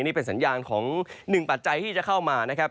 นี่เป็นสัญญาณของหนึ่งปัจจัยที่จะเข้ามานะครับ